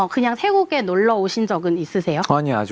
อ๋อคืออย่างเท่าไหร่ดูโลวชินเจ้าก็ไม่ได้ทำงานมาก